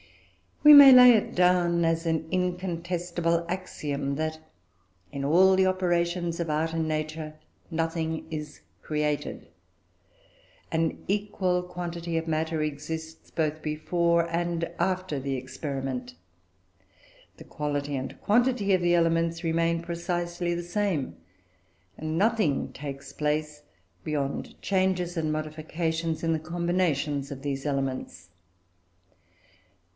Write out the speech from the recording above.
"We may lay it down as an incontestable axiom that, in all the operations of art and nature, nothing is created; an equal quantity of matter exists both before, and after the experiment: the quality and quantity of the elements remain precisely the same, and nothing takes place beyond changes and modifications in the combinations of these elements.